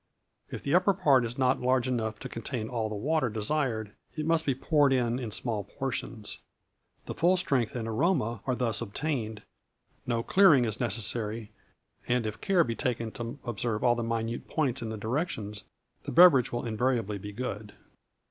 If the upper part be not large enough to contain all the water desired, it must be poured on in small portions. The full strength and aroma are thus obtained; no clearing is necessary, and, if care be taken to observe all the minor points in the directions, the beverage will invariably be good.